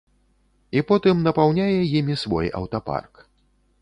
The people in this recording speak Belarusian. І потым напаўняе імі свой аўтапарк.